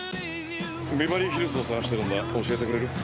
ビバリーヒルズを探してるんだ教えてくれる？